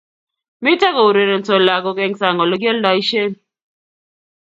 Mito kourerensot lagook eng sang olegialdoishen